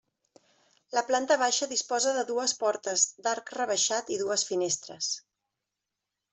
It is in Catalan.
La planta baixa disposa de dues portes d'arc rebaixat i dues finestres.